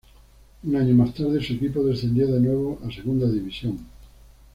Un año más tarde, su equipo descendió de nuevo a Segunda División.